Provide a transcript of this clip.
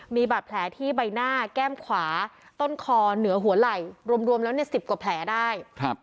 มีบาดแผลที่ใบหน้าแก้มขวาต้นคอเหนือหัวไหล่รวมแล้ว๑๐กว่าแผลได้